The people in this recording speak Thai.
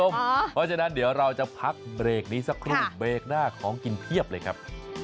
เบรกนี้สักครู่เบรกหน้าของกินเพียบเลยครับ